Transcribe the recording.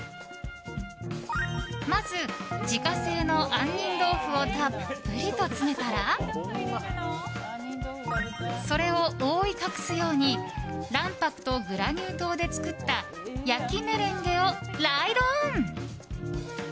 まず、自家製の杏仁豆腐をたっぷりと詰めたらそれを覆い隠すように卵白とグラニュー糖で作った焼きメレンゲをライドオン！